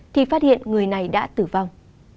thì phát hiện người này đã tử vong